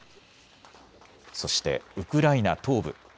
そしてウクライナ東部。